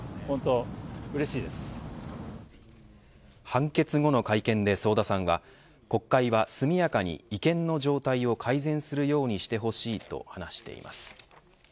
判決後の会見で想田さんは国会は速やかに違憲の状態を改善するようにしてほしいと話しています。